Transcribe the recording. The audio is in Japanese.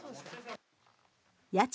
家賃